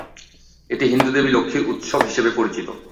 এটি হিন্দু দেবী লক্ষ্মীর উৎসব হিসেবে পরিচিত।